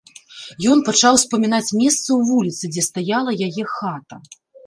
Ён пачаў успамінаць месца ў вуліцы, дзе стаяла яе хата.